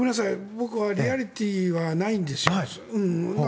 僕はリアリティーはないんですよ。